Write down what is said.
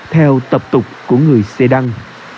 theo tập tục của người xe đăng